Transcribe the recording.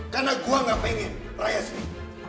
karena gue gak pengen raya sendiri